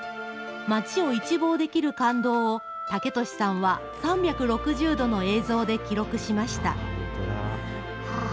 町を一望できる感動を、武敏さんは３６０度の映像で記録しました。